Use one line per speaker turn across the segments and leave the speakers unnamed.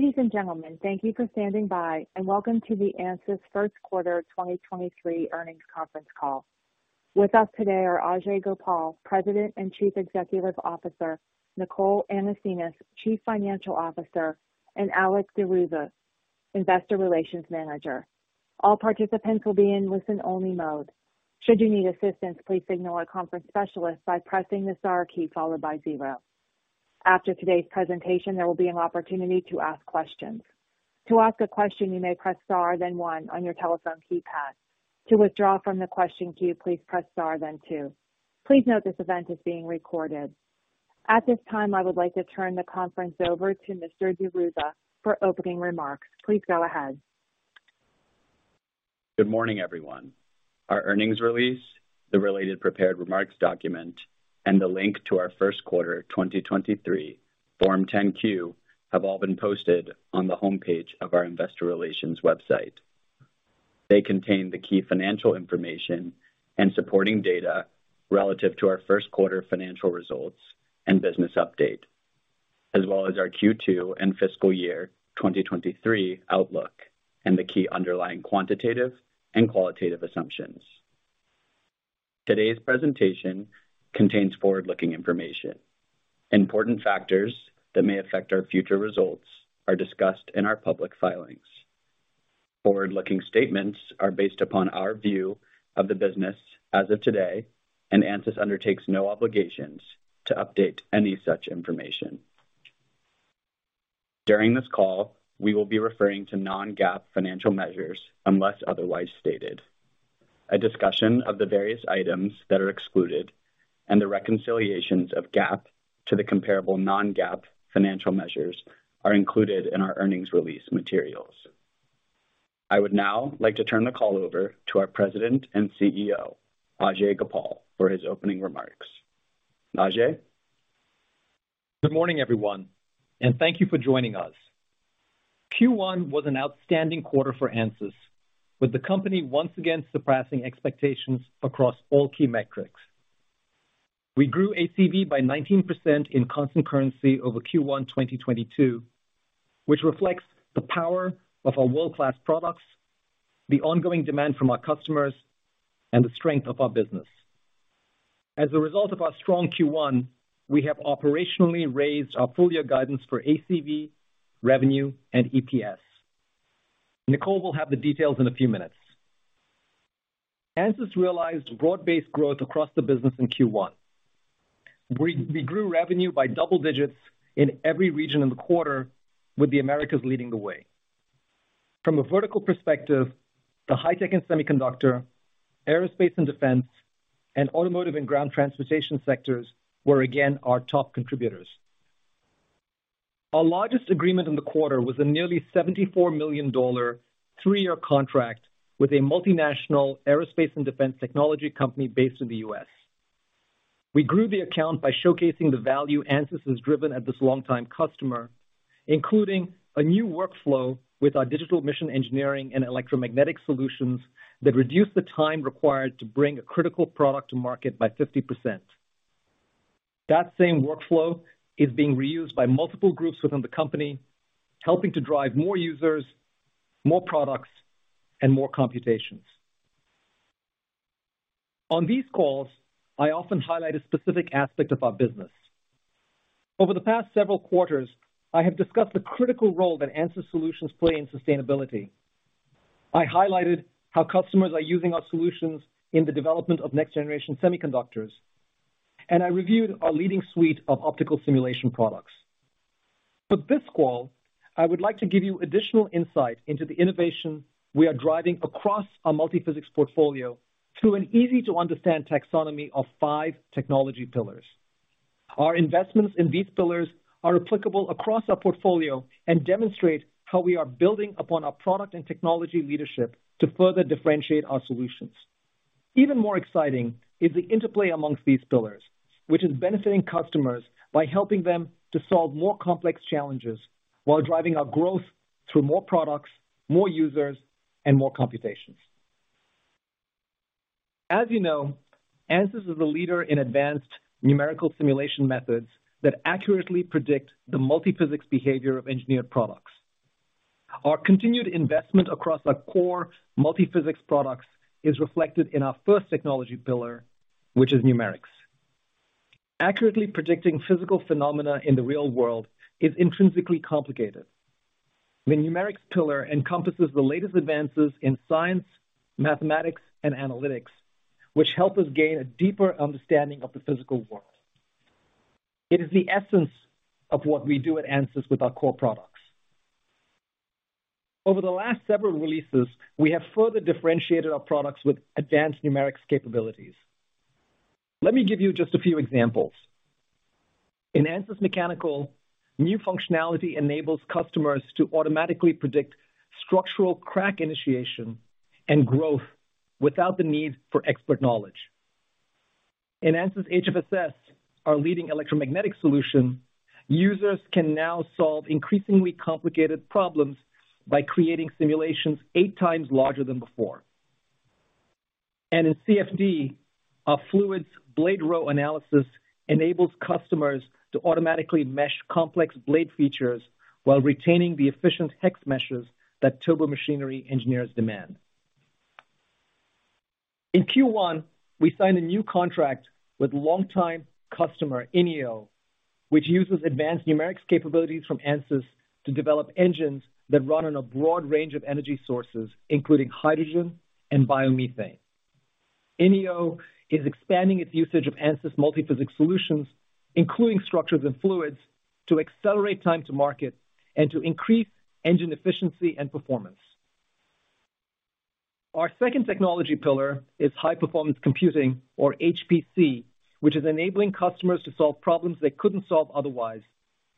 Ladies and gentlemen, thank you for standing by, and welcome to the ANSYS first quarter 2023 earnings conference call. With us today are Ajei Gopal, President and Chief Executive Officer, Nicole Anasenes, Chief Financial Officer, and Alex Di Ruzza, Investor Relations Manager. All participants will be in listen-only mode. Should you need assistance, please signal our conference specialist by pressing the star key followed by zero. After today's presentation, there will be an opportunity to ask questions. To ask a question, you may press star then one on your telephone keypad. To withdraw from the question queue, please press star then two. Please note this event is being recorded. At this time, I would like to turn the conference over to Mr. Di Ruzza for opening remarks. Please go ahead.
Good morning, everyone. Our earnings release, the related prepared remarks document, and the link to our first quarter 2023 Form 10-Q have all been posted on the homepage of our investor relations website. They contain the key financial information and supporting data relative to our first quarter financial results and business update, as well as our Q2 and fiscal year 2023 outlook, and the key underlying quantitative and qualitative assumptions. Today's presentation contains forward-looking information. Important factors that may affect our future results are discussed in our public filings. Forward-looking statements are based upon our view of the business as of today. ANSYS undertakes no obligations to update any such information. During this call, we will be referring to non-GAAP financial measures, unless otherwise stated. A discussion of the various items that are excluded and the reconciliations of GAAP to the comparable non-GAAP financial measures are included in our earnings release materials. I would now like to turn the call over to our President and CEO, Ajei Gopal, for his opening remarks. Ajei.
Good morning, everyone, and thank you for joining us. Q1 was an outstanding quarter for ANSYS, with the company once again surpassing expectations across all key metrics. We grew ACV by 19% in constant currency over Q1 2022, which reflects the power of our world-class products, the ongoing demand from our customers, and the strength of our business. As a result of our strong Q1, we have operationally raised our full year guidance for ACV, revenue, and EPS. Nicole will have the details in a few minutes. ANSYS realized broad-based growth across the business in Q1. We grew revenue by double digits in every region in the quarter, with the Americas leading the way. From a vertical perspective, the high-tech and semiconductor, aerospace and defense, and automotive and ground transportation sectors were again our top contributors. Our largest agreement in the quarter was a nearly $74 million three-year contract with a multinational aerospace and defense technology company based in the U.S. We grew the account by showcasing the value ANSYS has driven at this long-time customer, including a new workflow with our Digital Mission Engineering and electromagnetic solutions that reduce the time required to bring a critical product to market by 50%. That same workflow is being reused by multiple groups within the company, helping to drive more users, more products, and more computations. On these calls, I often highlight a specific aspect of our business. Over the past several quarters, I have discussed the critical role that ANSYS solutions play in sustainability. I highlighted how customers are using our solutions in the development of next generation semiconductors, I reviewed our leading suite of optical simulation products. For this call, I would like to give you additional insight into the innovation we are driving across our multi-physics portfolio through an easy to understand taxonomy of five technology pillars. Our investments in these pillars are applicable across our portfolio and demonstrate how we are building upon our product and technology leadership to further differentiate our solutions. Even more exciting is the interplay amongst these pillars, which is benefiting customers by helping them to solve more complex challenges while driving our growth through more products, more users, and more computations. As you know, ANSYS is a leader in advanced numerical simulation methods that accurately predict the multi-physics behavior of engineered products. Our continued investment across our core multi-physics products is reflected in our first technology pillar, which is numerics. Accurately predicting physical phenomena in the real world is intrinsically complicated. The numerics pillar encompasses the latest advances in science, mathematics, and analytics, which help us gain a deeper understanding of the physical world. It is the essence of what we do at ANSYS with our core products. Over the last several releases, we have further differentiated our products with advanced numerics capabilities. Let me give you just a few examples. In ANSYS Mechanical, new functionality enables customers to automatically predict structural crack initiation and growth without the need for expert knowledge. In ANSYS HFSS, our leading electromagnetic solution, users can now solve increasingly complicated problems by creating simulations eight times larger than before. In CFD, our fluids blade row analysis enables customers to automatically mesh complex blade features while retaining the efficient hex meshes that turbomachinery engineers demand. In Q1, we signed a new contract with longtime customer IHI, which uses advanced numerics capabilities from ANSYS to develop engines that run on a broad range of energy sources, including hydrogen and biomethane. IHI is expanding its usage of ANSYS multi-physics solutions, including structures and fluids, to accelerate time to market and to increase engine efficiency and performance. Our second technology pillar is high-performance computing, or HPC, which is enabling customers to solve problems they couldn't solve otherwise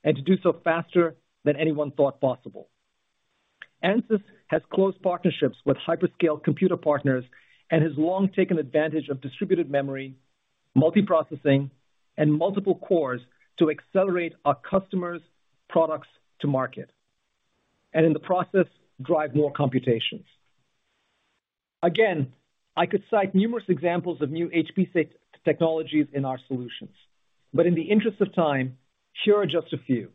and to do so faster than anyone thought possible. ANSYS has close partnerships with hyperscale computer partners and has long taken advantage of distributed memory, multiprocessing, and multiple cores to accelerate our customers' products to market, and in the process, drive more computations. Again, I could cite numerous examples of new HPC technologies in our solutions, but in the interest of time, here are just a few.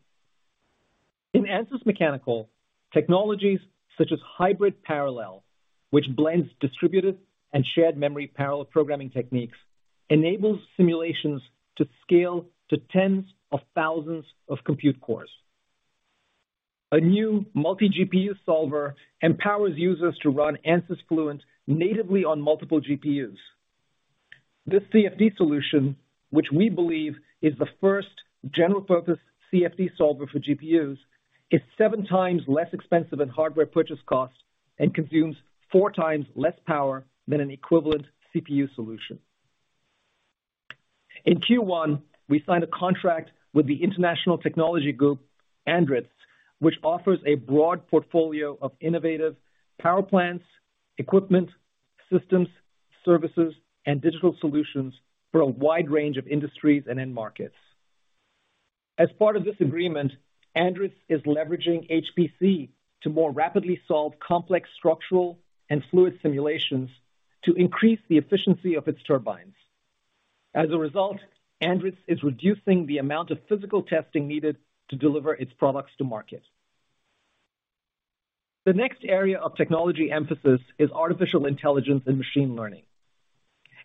In ANSYS Mechanical, technologies such as hybrid parallel, which blends distributed and shared memory parallel programming techniques, enables simulations to scale to tens of thousands of compute cores. A new multi-GPU solver empowers users to run ANSYS Fluent natively on multiple GPUs. This CFD solution, which we believe is the first general-purpose CFD solver for GPUs, is seven times less expensive than hardware purchase costs and consumes four times less power than an equivalent CPU solution. In Q1, we signed a contract with the international technology group, ANDRITZ, which offers a broad portfolio of innovative power plants, equipment, systems, services, and digital solutions for a wide range of industries and end markets. As part of this agreement, ANDRITZ is leveraging HPC to more rapidly solve complex structural and fluid simulations to increase the efficiency of its turbines. As a result, ANDRITZ is reducing the amount of physical testing needed to deliver its products to market. The next area of technology emphasis is artificial intelligence and machine learning.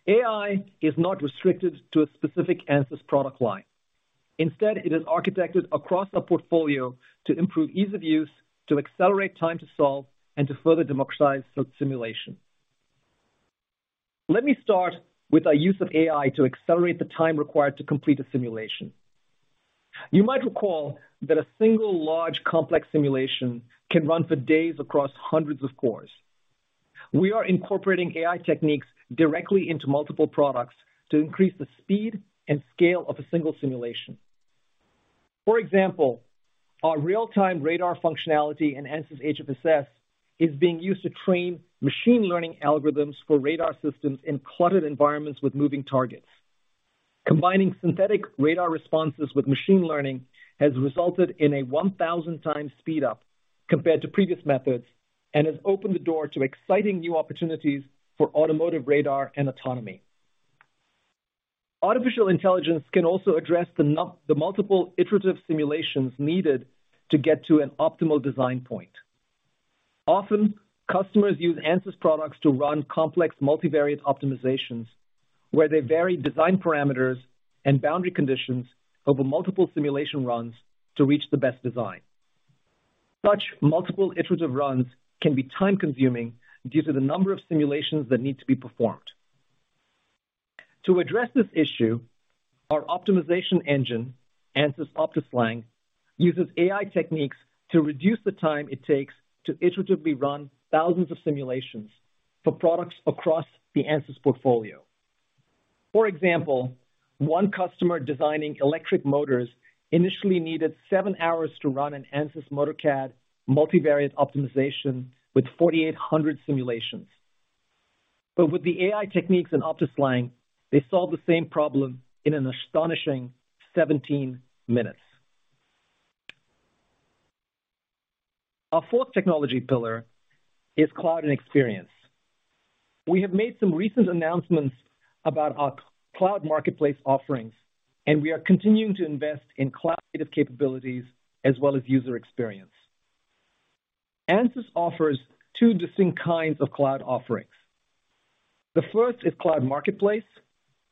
AI is not restricted to a specific ANSYS product line. Instead, it is architected across our portfolio to improve ease of use, to accelerate time to solve, and to further democratize simulation. Let me start with our use of AI to accelerate the time required to complete a simulation. You might recall that a single large complex simulation can run for days across hundreds of cores. We are incorporating AI techniques directly into multiple products to increase the speed and scale of a single simulation. For example, our real-time radar functionality in ANSYS HFSS is being used to train machine learning algorithms for radar systems in cluttered environments with moving targets. Combining synthetic radar responses with machine learning has resulted in a 1,000 times speed up compared to previous methods, and has opened the door to exciting new opportunities for automotive radar and autonomy. Artificial intelligence can also address the multiple iterative simulations needed to get to an optimal design point. Often, customers use ANSYS products to run complex multivariate optimizations, where they vary design parameters and boundary conditions over multiple simulation runs to reach the best design. Such multiple iterative runs can be time-consuming due to the number of simulations that need to be performed. To address this issue, our optimization engine, ANSYS optiSLang, uses AI techniques to reduce the time it takes to iteratively run thousands of simulations for products across the ANSYS portfolio. For example, one customer designing electric motors initially needed seven hours to run an ANSYS Motor-CAD multivariate optimization with 4,800 simulations. With the AI techniques in ANSYS optiSLang, they solved the same problem in an astonishing 17 minutes. Our fourth technology pillar is cloud and experience. We have made some recent announcements about our cloud marketplace offerings, and we are continuing to invest in cloud-native capabilities as well as user experience. ANSYS offers two distinct kinds of cloud offerings. The first is cloud marketplace,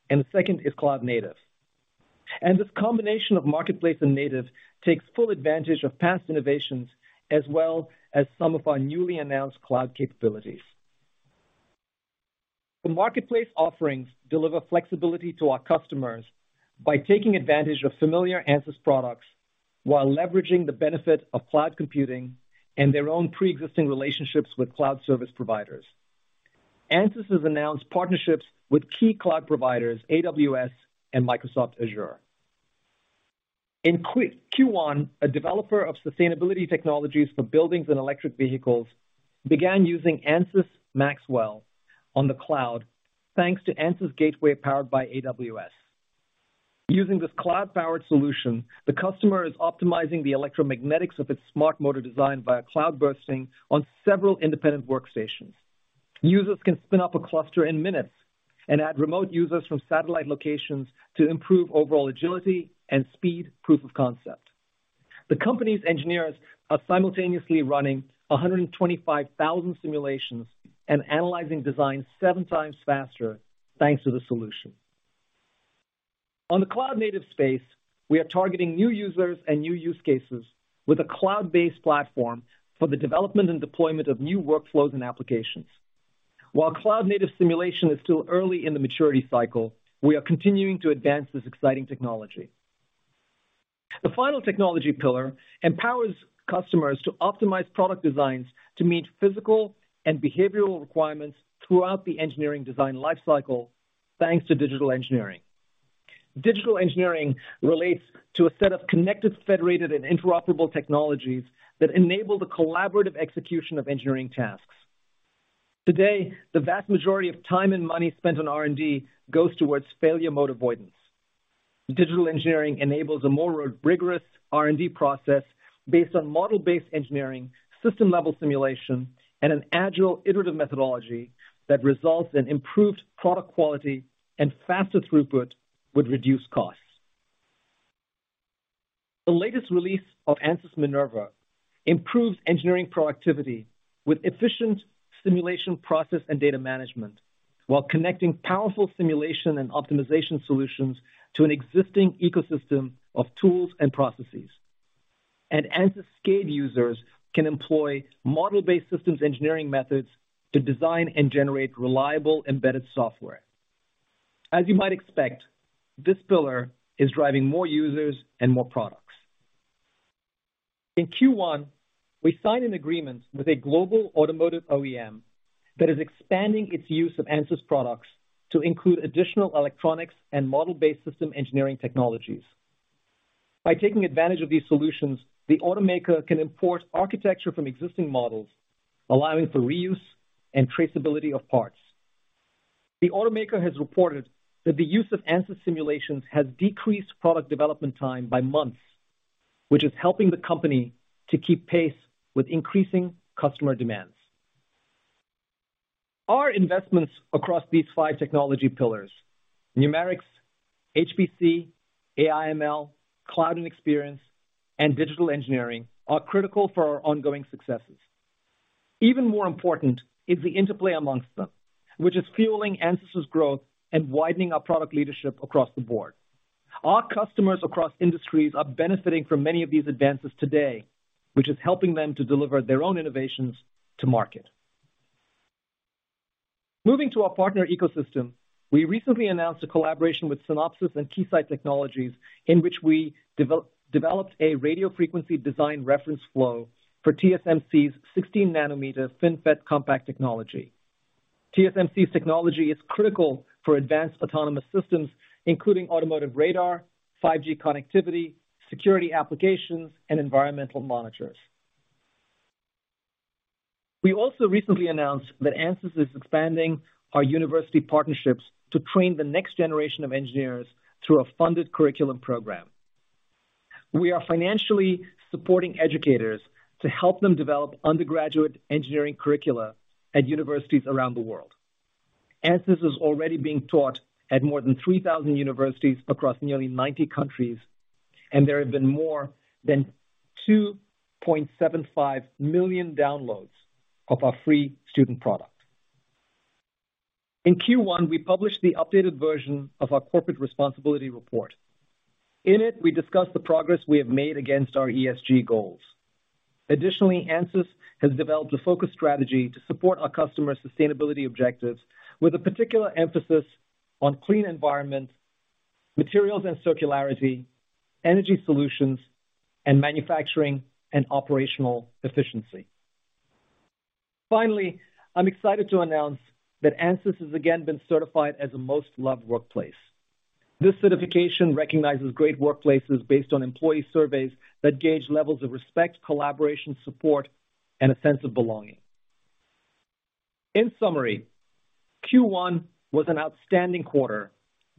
and the second is cloud-native. This combination of marketplace and native takes full advantage of past innovations as well as some of our newly announced cloud capabilities. The marketplace offerings deliver flexibility to our customers by taking advantage of familiar ANSYS products while leveraging the benefit of cloud computing and their own pre-existing relationships with cloud service providers. ANSYS has announced partnerships with key cloud providers, AWS and Microsoft Azure. In quick Q1, a developer of sustainability technologies for buildings and electric vehicles began using ANSYS Maxwell on the cloud, thanks to ANSYS Gateway powered by AWS. Using this cloud-powered solution, the customer is optimizing the electromagnetics of its smart motor design via cloud bursting on several independent workstations. Users can spin up a cluster in minutes and add remote users from satellite locations to improve overall agility and speed proof of concept. The company's engineers are simultaneously running 125,000 simulations and analyzing designs seven times faster thanks to the solution. On the cloud-native space, we are targeting new users and new use cases with a cloud-based platform for the development and deployment of new workflows and applications. While cloud-native simulation is still early in the maturity cycle, we are continuing to advance this exciting technology. The final technology pillar empowers customers to optimize product designs to meet physical and behavioral requirements throughout the engineering design life cycle, thanks to digital engineering. Digital engineering relates to a set of connected, federated, and interoperable technologies that enable the collaborative execution of engineering tasks. Today, the vast majority of time and money spent on R&D goes towards failure mode avoidance. Digital engineering enables a more rigorous R&D process based on model-based engineering, system-level simulation, and an agile iterative methodology that results in improved product quality and faster throughput with reduced costs. The latest release of ANSYS Minerva improves engineering productivity with efficient simulation process and data management, while connecting powerful simulation and optimization solutions to an existing ecosystem of tools and processes. ANSYS SCADE users can employ Model-Based Systems Engineering methods to design and generate reliable embedded software. As you might expect, this pillar is driving more users and more products. In Q1, we signed an agreement with a global automotive OEM that is expanding its use of ANSYS products to include additional Electronics and Model-based System Engineering technologies. By taking advantage of these solutions, the automaker can import architecture from existing models, allowing for reuse and traceability of parts. The automaker has reported that the use of ANSYS simulations has decreased product development time by months, which is helping the company to keep pace with increasing customer demands. Our investments across these five technology pillars: numerics, HPC, AI/ML, cloud computing, and digital engineering, are critical for our ongoing successes. Even more important is the interplay amongst them, which is fueling ANSYS's growth and widening our product leadership across the board. Our customers across industries are benefiting from many of these advances today, which is helping them to deliver their own innovations to market. Moving to our partner ecosystem, we recently announced a collaboration with Synopsys and Keysight Technologies, in which we developed a radio frequency design reference flow for TSMC's 16 nm FinFET compact technology. TSMC's technology is critical for advanced autonomous systems, including automotive radar, 5G connectivity, security applications, and environmental monitors. We also recently announced that ANSYS is expanding our university partnerships to train the next generation of engineers through a funded curriculum program. We are financially supporting educators to help them develop undergraduate engineering curricula at universities around the world. ANSYS is already being taught at more than 3,000 universities across nearly 90 countries, and there have been more than 2.75 million downloads of our free student product. In Q1, we published the updated version of our corporate responsibility report. In it, we discussed the progress we have made against our ESG goals. Additionally, ANSYS has developed a focused strategy to support our customers' sustainability objectives with a particular emphasis on clean environment, materials and circularity, energy solutions, and manufacturing and operational efficiency. Finally, I'm excited to announce that ANSYS has again been certified as a Most Loved Workplace. This certification recognizes great workplaces based on employee surveys that gauge levels of respect, collaboration, support, and a sense of belonging. In summary, Q1 was an outstanding quarter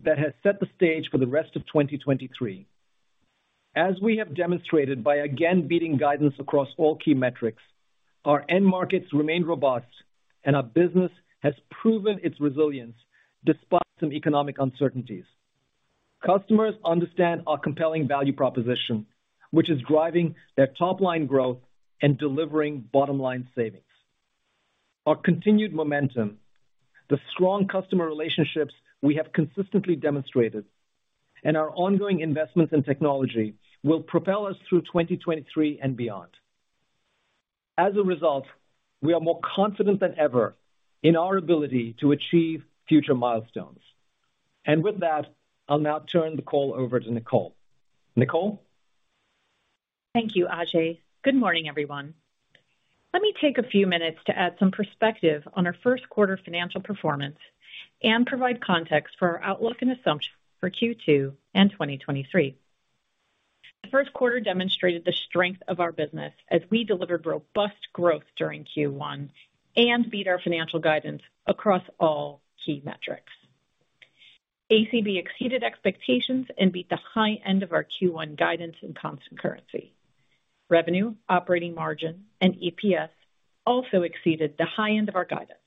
that has set the stage for the rest of 2023. As we have demonstrated by again beating guidance across all key metrics, our end markets remain robust, and our business has proven its resilience despite some economic uncertainties. Customers understand our compelling value proposition, which is driving their top-line growth and delivering bottom-line savings. Our continued momentum, the strong customer relationships we have consistently demonstrated, and our ongoing investments in technology will propel us through 2023 and beyond. As a result, we are more confident than ever in our ability to achieve future milestones. With that, I'll now turn the call over to Nicole. Nicole?
Thank you, Ajei. Good morning, everyone. Let me take a few minutes to add some perspective on our first quarter financial performance and provide context for our outlook and assumptions for Q2 and 2023. The first quarter demonstrated the strength of our business as we delivered robust growth during Q1 and beat our financial guidance across all key metrics. ACV exceeded expectations and beat the high end of our Q1 guidance in constant currency. Revenue, operating margin, and EPS also exceeded the high end of our guidance.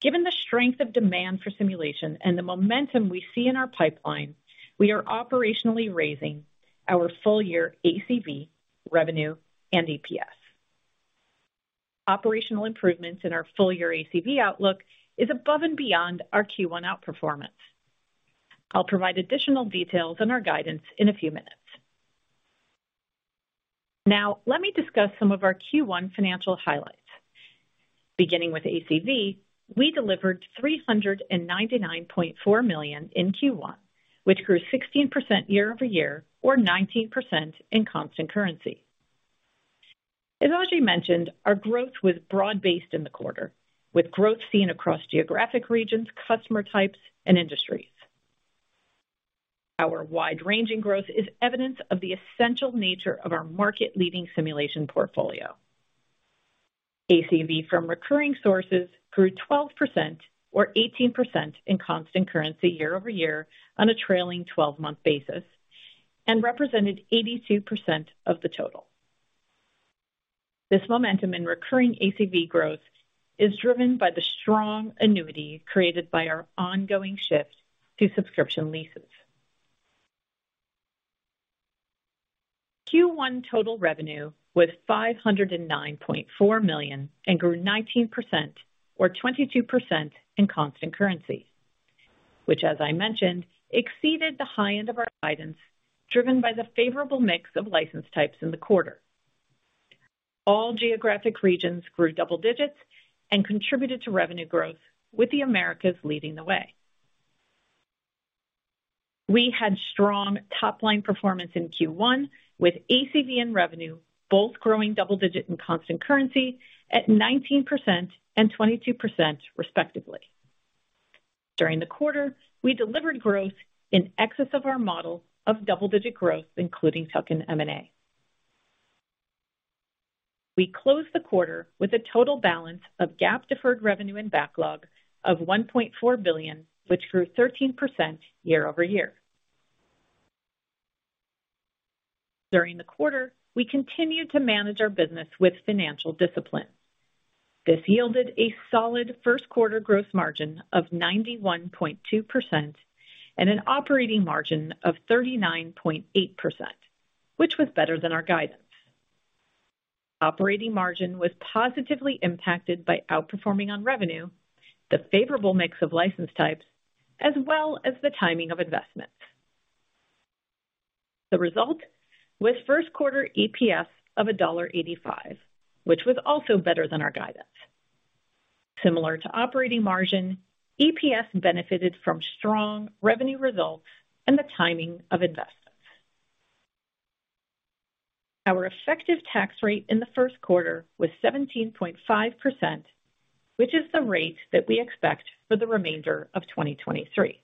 Given the strength of demand for simulation and the momentum we see in our pipeline, we are operationally raising our full year ACV, revenue, and EPS. Operational improvements in our full year ACV outlook is above and beyond our Q1 outperformance. I'll provide additional details on our guidance in a few minutes. Now let me discuss some of our Q1 financial highlights. Beginning with ACV, we delivered $399.4 million in Q1, which grew 16% year-over-year or 19% in constant currency. As Ajei mentioned, our growth was broad-based in the quarter, with growth seen across geographic regions, customer types, and industries. Our wide-ranging growth is evidence of the essential nature of our market leading simulation portfolio. ACV from recurring sources grew 12% or 18% in constant currency year-over-year on a trailing 12-month basis and represented 82% of the total. This momentum in recurring ACV growth is driven by the strong annuity created by our ongoing shift to subscription leases. Q1 total revenue was $509.4 million and grew 19% or 22% in constant currency, which as I mentioned, exceeded the high end of our guidance, driven by the favorable mix of license types in the quarter. All geographic regions grew double digits and contributed to revenue growth, with the Americas leading the way. We had strong top-line performance in Q1 with ACV and revenue both growing double digit in constant currency at 19% and 22% respectively. During the quarter, we delivered growth in excess of our model of double-digit growth, including tuck-in M&A. We closed the quarter with a total balance of GAAP deferred revenue and backlog of $1.4 billion, which grew 13% year-over-year. During the quarter, we continued to manage our business with financial discipline. This yielded a solid first quarter gross margin of 91.2% and an operating margin of 39.8%, which was better than our guidance. Operating margin was positively impacted by outperforming on revenue, the favorable mix of license types, as well as the timing of investments. The result was first quarter EPS of $1.85, which was also better than our guidance. Similar to operating margin, EPS benefited from strong revenue results and the timing of investments. Our effective tax rate in the first quarter was 17.5%, which is the rate that we expect for the remainder of 2023.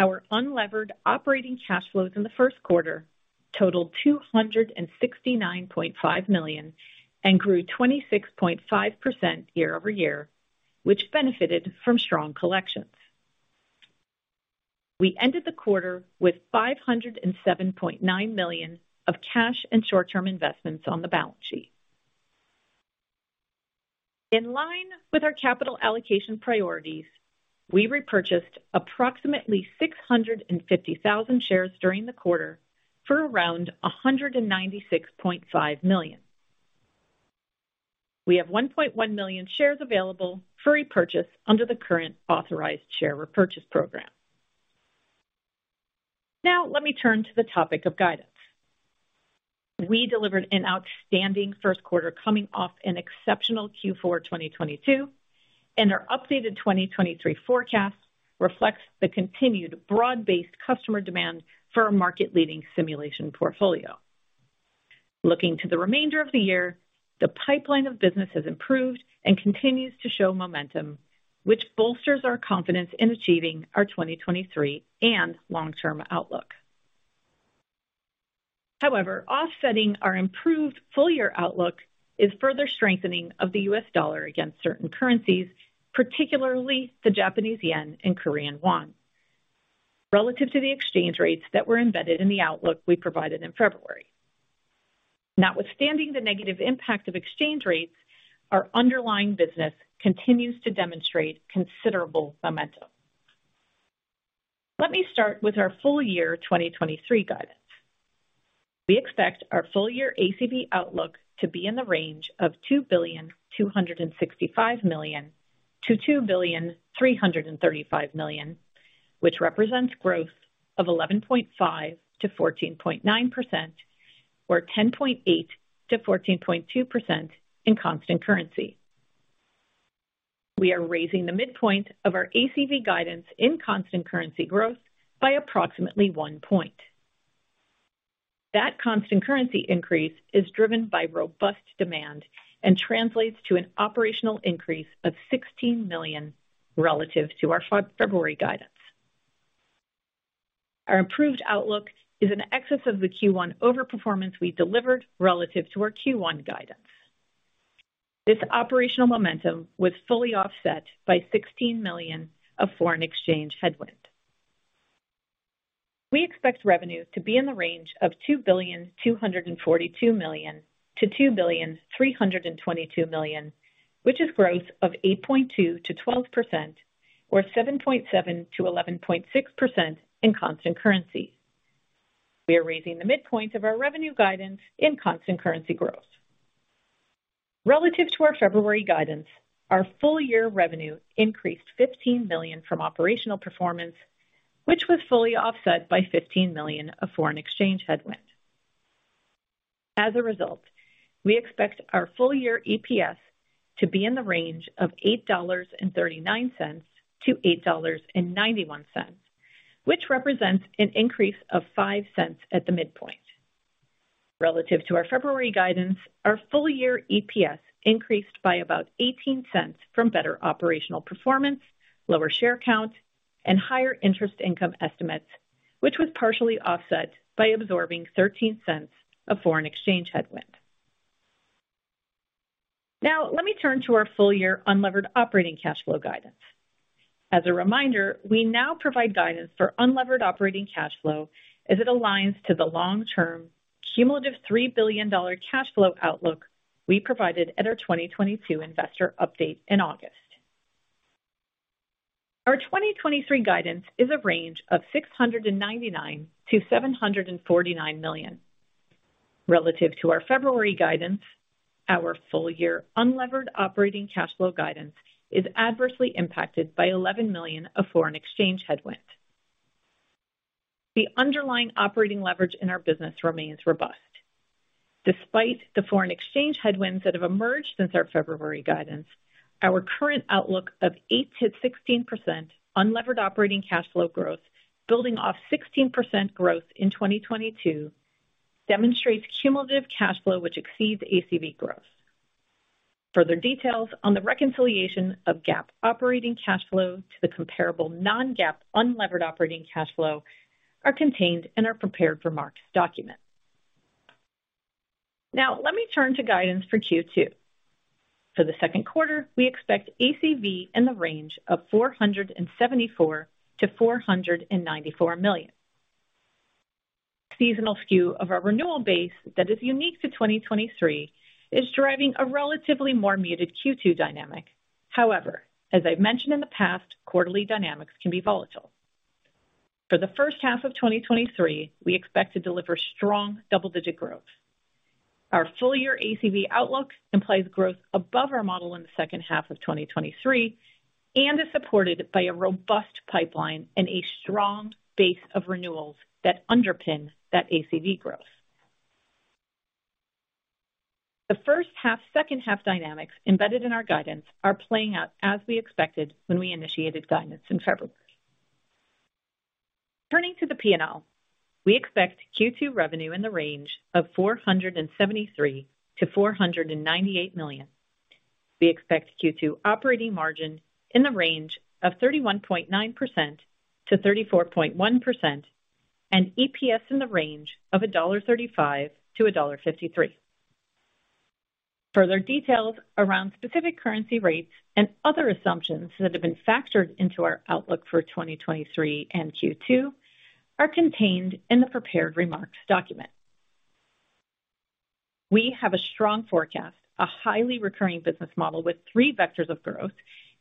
Our unlevered operating cash flows in the first quarter totaled $269.5 million and grew 26.5% year-over-year, which benefited from strong collections. We ended the quarter with $507.9 million of cash and short-term investments on the balance sheet. In line with our capital allocation priorities, we repurchased approximately 650,000 shares during the quarter for around $196.5 million. We have 1.1 million shares available for repurchase under the current authorized share repurchase program. Let me turn to the topic of guidance. We delivered an outstanding first quarter coming off an exceptional Q4 2022, our updated 2023 forecast reflects the continued broad-based customer demand for our market-leading simulation portfolio. Looking to the remainder of the year, the pipeline of business has improved and continues to show momentum, which bolsters our confidence in achieving our 2023 and long-term outlook. Offsetting our improved full year outlook is further strengthening of the U.S. dollar against certain currencies, particularly the Japanese yen and Korean won, relative to the exchange rates that were embedded in the outlook we provided in February. Notwithstanding the negative impact of exchange rates, our underlying business continues to demonstrate considerable momentum. Let me start with our full year 2023 guidance. We expect our full year ACV outlook to be in the range of $2.265 billion-$2.335 billion, which represents growth of 11.5%-14.9% or 10.8%-14.2% in constant currency. We are raising the midpoint of our ACV guidance in constant currency growth by approximately 1 point. That constant currency increase is driven by robust demand and translates to an operational increase of $16 million relative to our February guidance. Our improved outlook is in excess of the Q1 overperformance we delivered relative to our Q1 guidance. This operational momentum was fully offset by $16 million of foreign exchange headwind. We expect revenue to be in the range of $2.242 billion-$2.322 billion, which is growth of 8.2%-12% or 7.7%-11.6% in constant currency. We are raising the midpoint of our revenue guidance in constant currency growth. Relative to our February guidance, our full year revenue increased $15 million from operational performance, which was fully offset by $15 million of foreign exchange headwind. We expect our full year EPS to be in the range of $8.39-$8.91, which represents an increase of $0.05 at the midpoint. Relative to our February guidance, our full year EPS increased by about $0.18 from better operational performance, lower share count, and higher interest income estimates, which was partially offset by absorbing $0.13 of foreign exchange headwind. Let me turn to our full year unlevered operating cash flow guidance. We now provide guidance for unlevered operating cash flow as it aligns to the long-term cumulative $3 billion cash flow outlook we provided at our 2022 investor update in August. Our 2023 guidance is a range of $699 million-$749 million. Relative to our February guidance, our full year unlevered operating cash flow guidance is adversely impacted by $11 million of foreign exchange headwind. The underlying operating leverage in our business remains robust. Despite the foreign exchange headwinds that have emerged since our February guidance, our current outlook of 8%-16% unlevered operating cash flow growth, building off 16% growth in 2022, demonstrates cumulative cash flow which exceeds ACV growth. Further details on the reconciliation of GAAP operating cash flow to the comparable non-GAAP unlevered operating cash flow are contained in our prepared remarks document. Let me turn to guidance for Q2. For the second quarter, we expect ACV in the range of $474 million-$494 million. Seasonal skew of our renewal base that is unique to 2023 is driving a relatively more muted Q2 dynamic. As I've mentioned in the past, quarterly dynamics can be volatile. For the first half of 2023, we expect to deliver strong double-digit growth. Our full year ACV outlook implies growth above our model in the second half of 2023 and is supported by a robust pipeline and a strong base of renewals that underpin that ACV growth. The first half, second half dynamics embedded in our guidance are playing out as we expected when we initiated guidance in February. Turning to the P&L, we expect Q2 revenue in the range of $473 million-$498 million. We expect Q2 operating margin in the range of 31.9%-34.1% and EPS in the range of $1.35-$1.53. Further details around specific currency rates and other assumptions that have been factored into our outlook for 2023 and Q2 are contained in the prepared remarks document. We have a strong forecast, a highly recurring business model with three vectors of growth,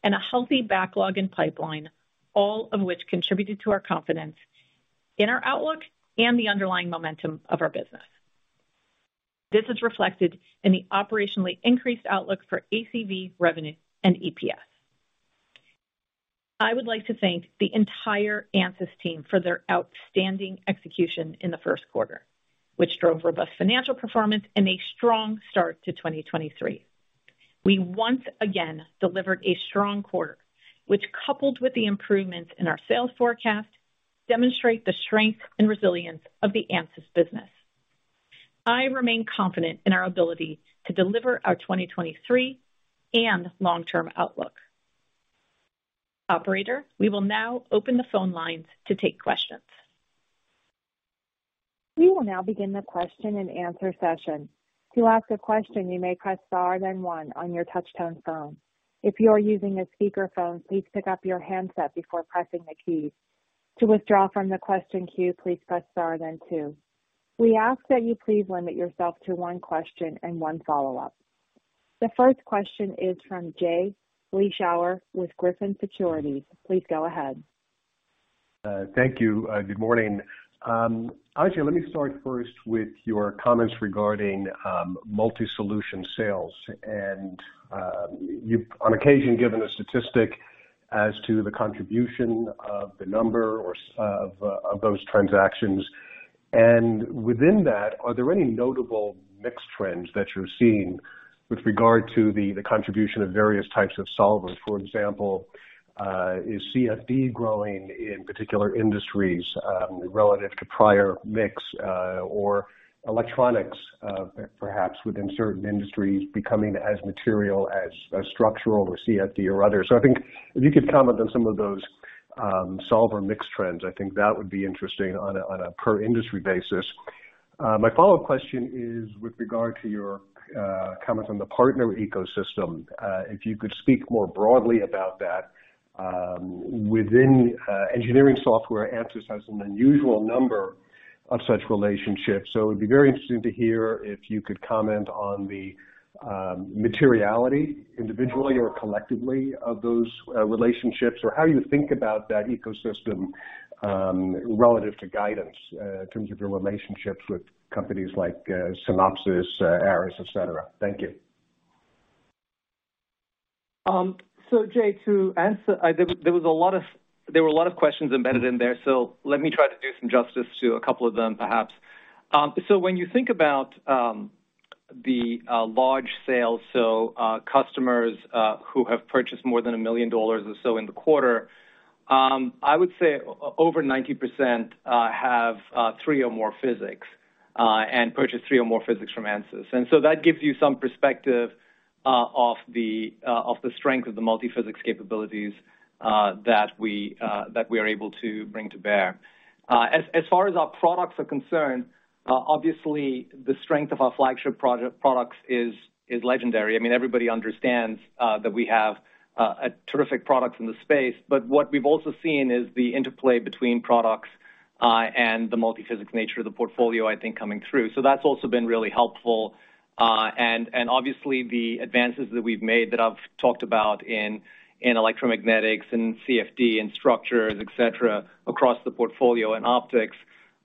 and a healthy backlog in pipeline, all of which contributed to our confidence in our outlook and the underlying momentum of our business. This is reflected in the operationally increased outlook for ACV revenue and EPS. I would like to thank the entire ANSYS team for their outstanding execution in the first quarter, which drove robust financial performance and a strong start to 2023. We once again delivered a strong quarter, which coupled with the improvements in our sales forecast, demonstrate the strength and resilience of the ANSYS business. I remain confident in our ability to deliver our 2023 and long-term outlook. Operator, we will now open the phone lines to take questions.
We will now begin the question and answer session. To ask a question, you may press star then one on your touch-tone phone. If you are using a speakerphone, please pick up your handset before pressing the keys. To withdraw from the question queue, please press star then two. We ask that you please limit yourself to one question and one follow-up. The first question is from Jay Vleeschhouwer with Griffin Securities. Please go ahead.
Thank you. Good morning. Ajei, let me start first with your comments regarding multi-solution sales. You've on occasion given a statistic as to the contribution of the number of those transactions. Within that, are there any notable mixed trends that you're seeing with regard to the contribution of various types of solvers. For example, is CFD growing in particular industries relative to prior mix, or Electronics perhaps within certain industries becoming as material as structural or CFD or other? I think if you could comment on some of those solver mix trends, I think that would be interesting on a per industry basis. My follow-up question is with regard to your comment on the partner ecosystem. If you could speak more broadly about that. Within engineering software, ANSYS has an unusual number of such relationships, so it'd be very interesting to hear if you could comment on the materiality individually or collectively of those relationships. How you think about that ecosystem relative to guidance in terms of your relationships with companies like Synopsys, Cadence, et cetera. Thank you.
Jay, to answer... there were a lot of questions embedded in there, let me try to do some justice to a couple of them, perhaps. When you think about the large sales, customers who have purchased more than $1 million or so in the quarter, I would say over 90% have three or more physics and purchase three or more physics from ANSYS. That gives you some perspective of the strength of the multi-physics capabilities that we are able to bring to bear. As far as our products are concerned, obviously, the strength of our flagship products is legendary. I mean, everybody understands, that we have a terrific product in the space. What we've also seen is the interplay between products, and the multi-physics nature of the portfolio, I think, coming through. That's also been really helpful. And, and obviously, the advances that we've made that I've talked about in electromagnetics and CFD and structures, et cetera, across the portfolio in optics.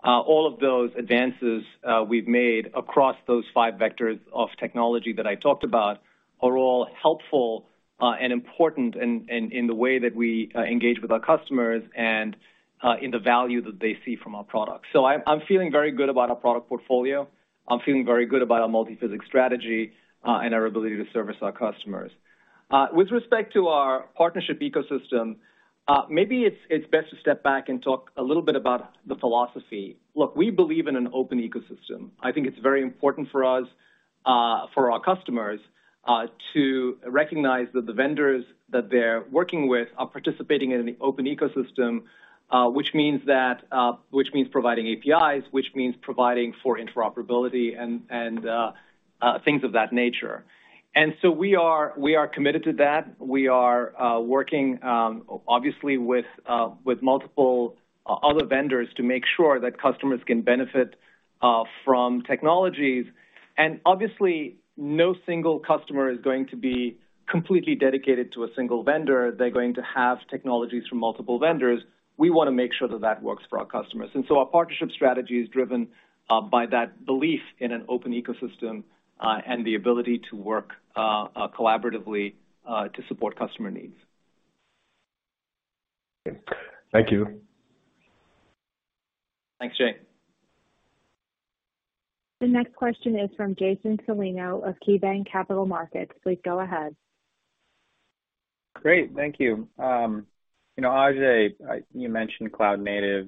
All of those advances, we've made across those five vectors of technology that I talked about are all helpful, and important in the way that we engage with our customers and in the value that they see from our products. I'm feeling very good about our product portfolio. I'm feeling very good about our multi-physics strategy, and our ability to service our customers. With respect to our partnership ecosystem, maybe it's best to step back and talk a little bit about the philosophy. Look, we believe in an open ecosystem. I think it's very important for us, for our customers, to recognize that the vendors that they're working with are participating in an open ecosystem, which means that, which means providing APIs, which means providing for interoperability and things of that nature. We are, we are committed to that. We are working, obviously with multiple other vendors to make sure that customers can benefit from technologies. Obviously, no single customer is going to be completely dedicated to a single vendor. They're going to have technologies from multiple vendors. We wanna make sure that that works for our customers. Our partnership strategy is driven by that belief in an open ecosystem, and the ability to work collaboratively to support customer needs.
Thank you.
Thanks, Jay.
The next question is from Jason Celino of KeyBanc Capital Markets. Please go ahead.
Great. Thank you. You know, Ajei, you mentioned cloud-native,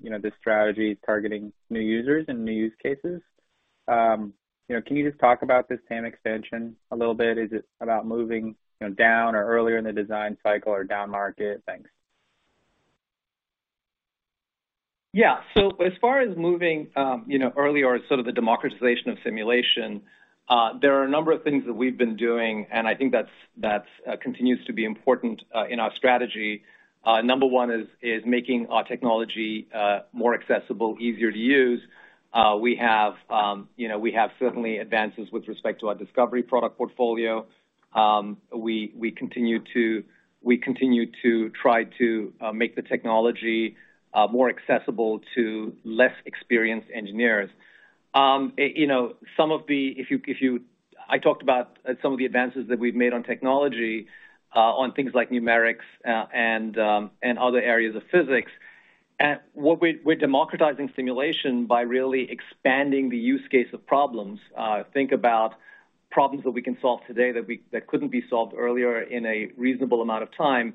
you know, the strategy targeting new users and new use cases. You know, can you just talk about this TAM extension a little bit? Is it about moving, you know, down or earlier in the design cycle or down market? Thanks.
As far as moving, you know, early or sort of the democratization of simulation, there are a number of things that we've been doing, and I think that's continues to be important in our strategy. Number one is making our technology more accessible, easier to use. We have, you know, we have certainly advances with respect to our ANSYS Discovery product portfolio. We continue to try to make the technology more accessible to less experienced engineers. You know, some of the advances that we've made on technology on things like numerics, and other areas of physics. What we're democratizing simulation by really expanding the use case of problems. Think about problems that we can solve today that couldn't be solved earlier in a reasonable amount of time.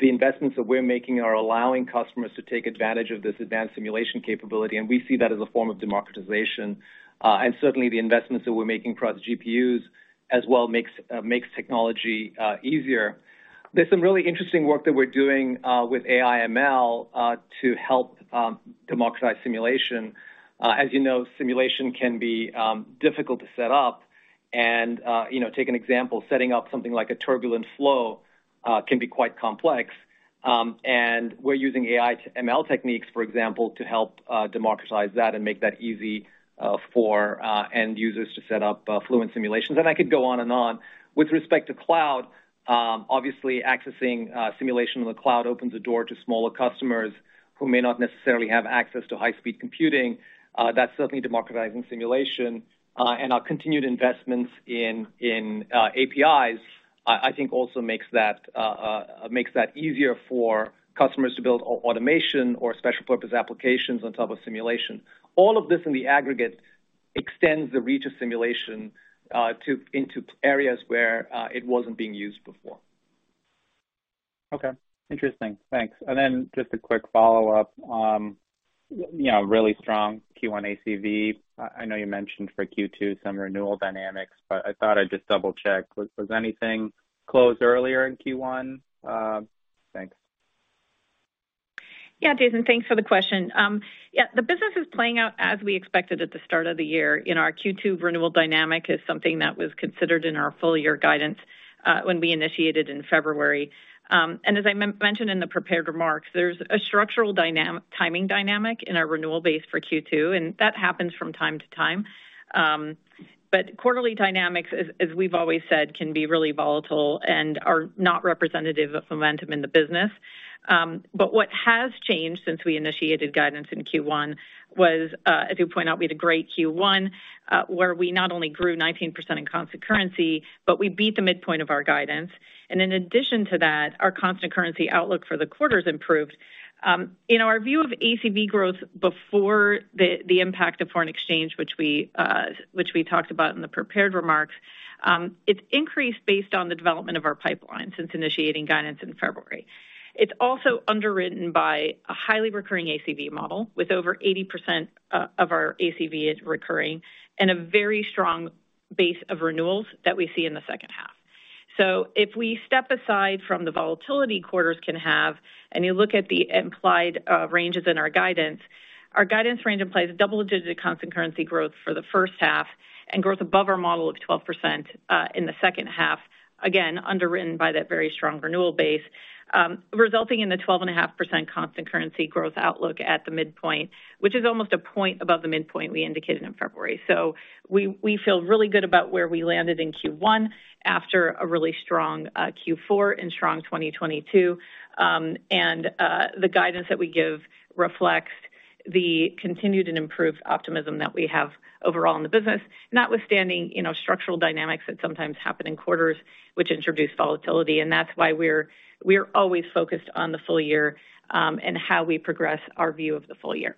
The investments that we're making are allowing customers to take advantage of this advanced simulation capability, and we see that as a form of democratization. And certainly, the investments that we're making across GPUs as well makes technology easier. There's some really interesting work that we're doing with AI/ML to help democratize simulation. As you know, simulation can be difficult to set up and, you know, take an example, setting up something like a turbulent flow can be quite complex. And we're using AI/ML techniques, for example, to help democratize that and make that easy for end users to set up Fluent simulations. I could go on and on. With respect to cloud, obviously accessing simulation in the cloud opens the door to smaller customers who may not necessarily have access to high-speed computing. That's certainly democratizing simulation. And our continued investments in APIs, I think also makes that easier for customers to build automation or special purpose applications on top of simulation. All of this in the aggregate extends the reach of simulation into areas where it wasn't being used before.
Okay. Interesting. Thanks. Then just a quick follow-up, you know, really strong Q1 ACV. I know you mentioned for Q2 some renewal dynamics, but I thought I'd just double-check. Was anything closed earlier in Q1? Thanks.
Yeah, Jason, thanks for the question. Yeah, the business is playing out as we expected at the start of the year. Our Q2 renewal dynamic is something that was considered in our full year guidance when we initiated in February. As I mentioned in the prepared remarks, there's a structural timing dynamic in our renewal base for Q2, and that happens from time to time. Quarterly dynamics, as we've always said, can be really volatile and are not representative of momentum in the business. What has changed since we initiated guidance in Q1 was, I do point out we had a great Q1, where we not only grew 19% in constant currency, but we beat the midpoint of our guidance. In addition to that, our constant currency outlook for the quarters improved. In our view of ACV growth before the impact of foreign exchange, which we talked about in the prepared remarks, it's increased based on the development of our pipeline since initiating guidance in February. It's also underwritten by a highly recurring ACV model, with over 80% of our ACV is recurring, and a very strong base of renewals that we see in the second half. If we step aside from the volatility quarters can have, and you look at the implied ranges in our guidance, our guidance range implies double-digit constant currency growth for the first half and growth above our model of 12% in the second half, again, underwritten by that very strong renewal base, resulting in the 12.5% constant currency growth outlook at the midpoint, which is almost 1 point above the midpoint we indicated in February. We, we feel really good about where we landed in Q1 after a really strong Q4 and strong 2022. The guidance that we give reflects the continued and improved optimism that we have overall in the business, notwithstanding, you know, structural dynamics that sometimes happen in quarters which introduce volatility. That's why we're always focused on the full year, and how we progress our view of the full year.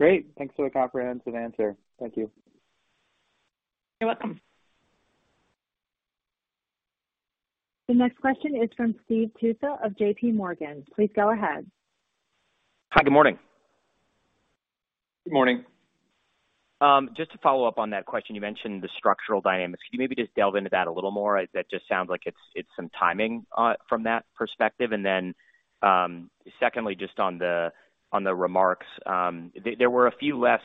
Great. Thanks for the comprehensive answer. Thank you.
You're welcome.
The next question is from Steve Tusa of JPMorgan. Please go ahead.
Hi. Good morning.
Good morning.
Just to follow up on that question, you mentioned the structural dynamics. Can you maybe just delve into that a little more? That just sounds like it's some timing from that perspective. Then, secondly, just on the remarks, there were a few less,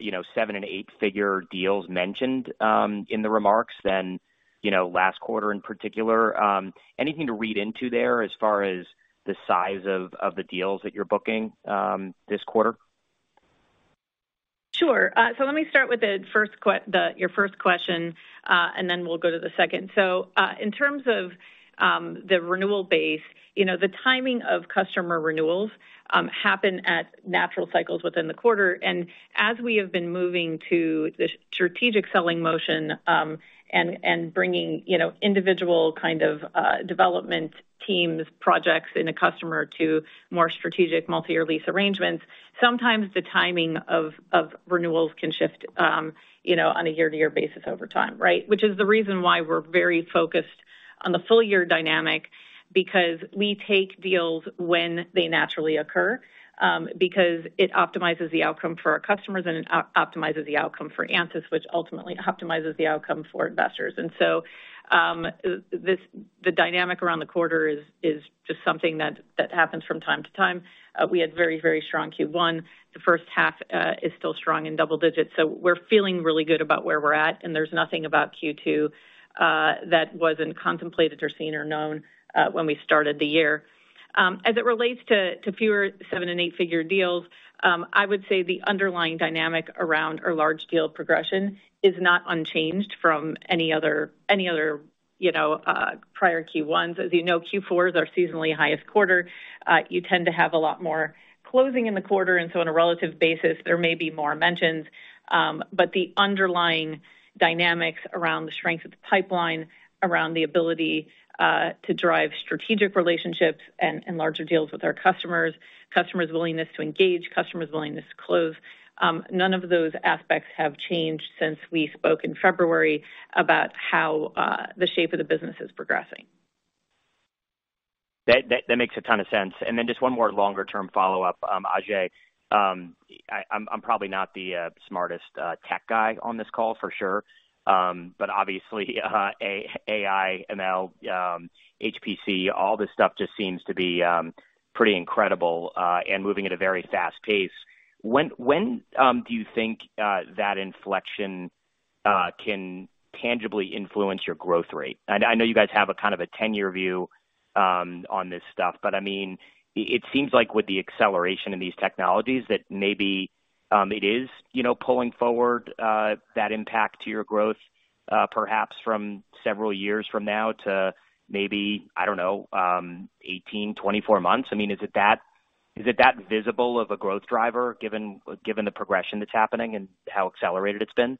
you know, seven and eight figure deals mentioned in the remarks than, you know, last quarter in particular. Anything to read into there as far as the size of the deals that you're booking this quarter?
Sure. Let me start with your first question, we'll go to the second. In terms of the renewal base, you know, the timing of customer renewals happen at natural cycles within the quarter. As we have been moving to the strategic selling motion, and bringing, you know, individual kind of development teams, projects in a customer to more strategic multi-year lease arrangements, sometimes the timing of renewals can shift, you know, on a year-to-year basis over time, right? Which is the reason why we're very focused on the full year dynamic, because we take deals when they naturally occur, because it optimizes the outcome for our customers and it optimizes the outcome for ANSYS, which ultimately optimizes the outcome for investors. The dynamic around the quarter is just something that happens from time to time. We had very, very strong Q1. The first half is still strong in double digits, so we're feeling really good about where we're at, and there's nothing about Q2 that wasn't contemplated or seen or known when we started the year. As it relates to fewer seven and eight figure deals, I would say the underlying dynamic around our large deal progression is not unchanged from any other, you know, prior Q1s. As you know, Q4s are seasonally highest quarter. You tend to have a lot more closing in the quarter, so on a relative basis, there may be more mentions. The underlying dynamics around the strength of the pipeline, around the ability, to drive strategic relationships and larger deals with our customers' willingness to engage, customers' willingness to close, none of those aspects have changed since we spoke in February about how, the shape of the business is progressing.
That makes a ton of sense. Just one more longer term follow-up. Ajei, I'm probably not the smartest tech guy on this call for sure. Obviously, AI, ML, HPC, all this stuff just seems to be pretty incredible and moving at a very fast pace. When do you think that inflection can tangibly influence your growth rate? I know you guys have a kind of a 10-year view on this stuff, but I mean, it seems like with the acceleration in these technologies that maybe it is, you know, pulling forward that impact to your growth perhaps from several years from now to maybe, I don't know, 18, 24 months. I mean, is it that? Is it that visible of a growth driver given the progression that's happening and how accelerated it's been?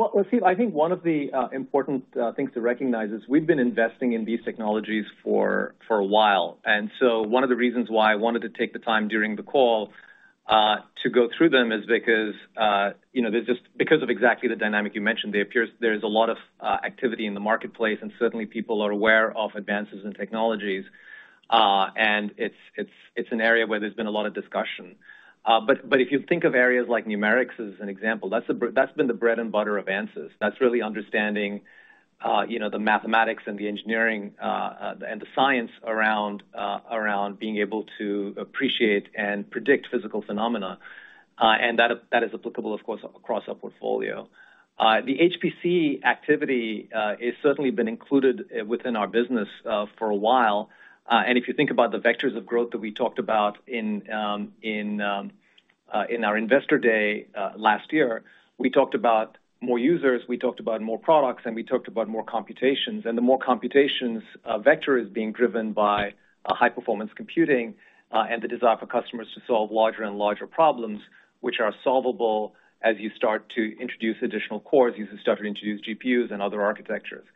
Well, see, I think one of the important things to recognize is we've been investing in these technologies for a while. One of the reasons why I wanted to take the time during the call to go through them is because, you know, there's just because of exactly the dynamic you mentioned, there appears there is a lot of activity in the marketplace, and certainly people are aware of advances in technologies. And it's, it's an area where there's been a lot of discussion. But if you think of areas like numerics as an example, that's been the bread and butter of ANSYS. That's really understanding, you know, the mathematics and the engineering and the science around around being able to appreciate and predict physical phenomena. That is, that is applicable, of course, across our portfolio. The HPC activity is certainly been included within our business for a while. If you think about the vectors of growth that we talked about in our investor day last year, we talked about more users, we talked about more products, and we talked about more computations. The more computations vector is being driven by high-performance computing and the desire for customers to solve larger and larger problems which are solvable as you start to introduce additional cores, you start to introduce GPUs and other architectures.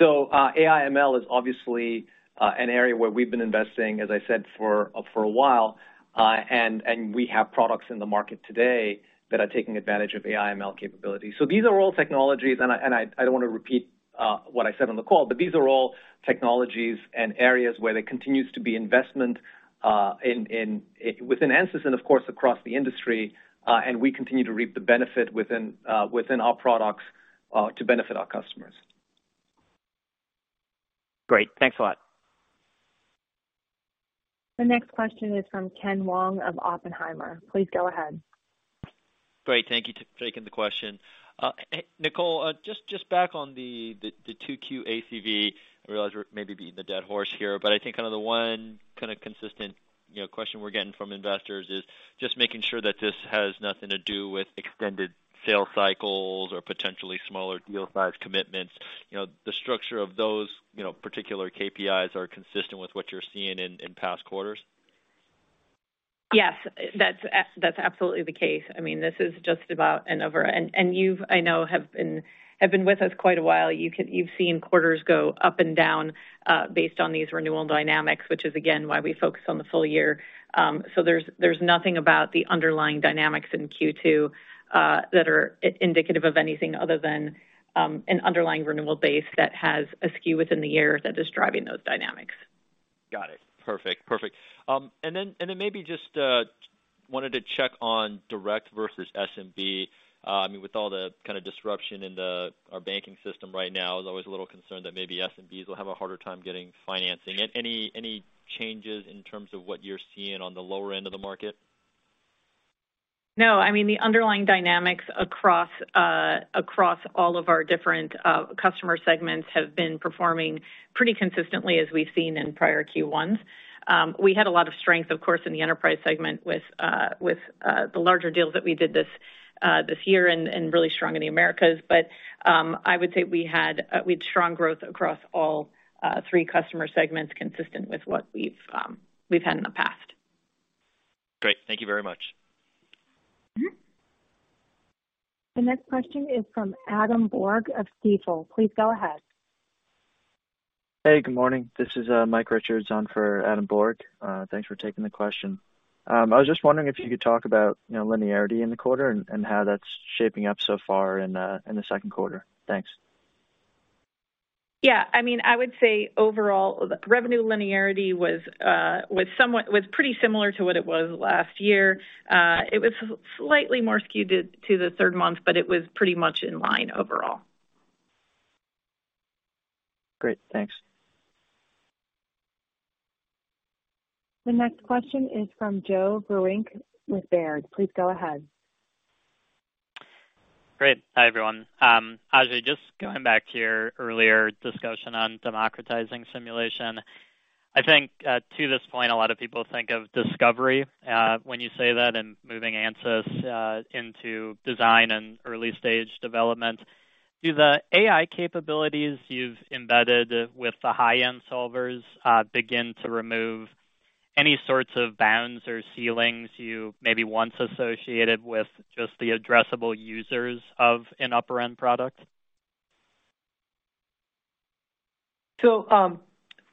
AI/ML is obviously an area where we've been investing, as I said, for a while. We have products in the market today that are taking advantage of AI/ML capabilities. These are all technologies, and I don't want to repeat what I said on the call, but these are all technologies and areas where there continues to be investment in within ANSYS and of course, across the industry, and we continue to reap the benefit within our products to benefit our customers.
Great. Thanks a lot.
The next question is from Ken Wong of Oppenheimer. Please go ahead.
Great. Thank you for taking the question. Nicole, just back on the 2Q ACV. I realize we're maybe beating the dead horse here, but I think kind of the one consistent, you know, question we're getting from investors is just making sure that this has nothing to do with extended sales cycles or potentially smaller deal size commitments. You know, the structure of those, you know, particular KPIs are consistent with what you're seeing in past quarters.
Yes. That's absolutely the case. I mean, this is just about an over, you've, I know, have been with us quite a while. You've seen quarters go up and down, based on these renewal dynamics, which is again, why we focus on the full year. There's nothing about the underlying dynamics in Q2 that are indicative of anything other than an underlying renewable base that has a skew within the year that is driving those dynamics.
Got it. Perfect. Perfect. Maybe just wanted to check on direct versus SMB. I mean, with all the kind of disruption in our banking system right now, there's always a little concern that maybe SMBs will have a harder time getting financing. Any changes in terms of what you're seeing on the lower end of the market?
I mean, the underlying dynamics across all of our different customer segments have been performing pretty consistently as we've seen in prior Q1s. We had a lot of strength, of course, in the enterprise segment with the larger deals that we did this year and really strong in the Americas. I would say we had strong growth across all three customer segments consistent with what we've had in the past.
Great. Thank you very much.
Mm-hmm.
The next question is from Adam Borg of Stifel. Please go ahead.
Hey, good morning. This is Mike Richards on for Adam Borg. Thanks for taking the question. I was just wondering if you could talk about, you know, linearity in the quarter and how that's shaping up so far in the second quarter. Thanks.
I mean, I would say overall revenue linearity was pretty similar to what it was last year. It was slightly more skewed to the third month, but it was pretty much in line overall.
Great. Thanks.
The next question is from Joe Vruwink with Baird. Please go ahead.
Great. Hi, everyone. Ajei, just going back to your earlier discussion on democratizing simulation. I think to this point, a lot of people think of Discovery when you say that, and moving ANSYS into design and early-stage development. Do the AI capabilities you've embedded with the high-end solvers begin to remove any sorts of bounds or ceilings you maybe once associated with just the addressable users of an upper-end product?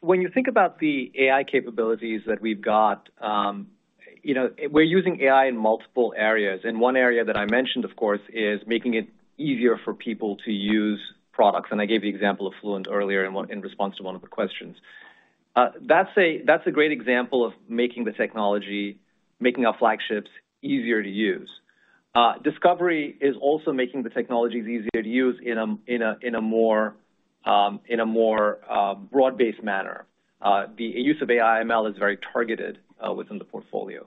When you think about the AI capabilities that we've got, you know, we're using AI in multiple areas, and one area that I mentioned, of course, is making it easier for people to use products. I gave the example of Fluent earlier in response to one of the questions. That's a great example of making the technology, making our flagships easier to use. Discovery is also making the technologies easier to use in a more broad-based manner. The use of AI/ML is very targeted within the portfolio.